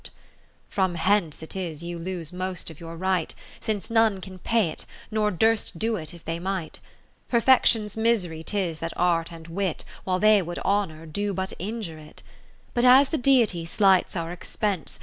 6) To Alice^ Coimtess of Cai^hery II From hence it is you lose most of your right, Since none can pay 't, nor durst do 't if they might. Perfection's misery 'tis that Art and Wit, While they would honour, do but injure it. But as the Deity slights our expense.